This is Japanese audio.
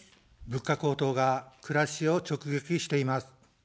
物価高騰が暮らしを直撃しています。